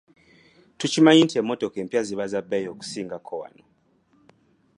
Tukimanyi nti emmotoka empya za bbeeyi okusingako wano.